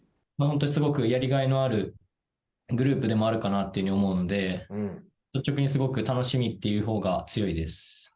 すごくやりがいのあるグループでもあるかなと思うので率直にすごく楽しみというほうが強いです。